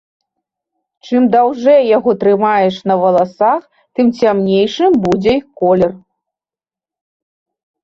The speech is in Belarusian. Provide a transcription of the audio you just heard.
Чым даўжэй яго трымаеш на валасах, тым цямнейшым будзе іх колер.